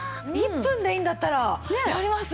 １分でいいんだったらやります。